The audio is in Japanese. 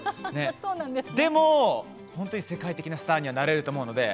でも世界的なスターにはなれると思います。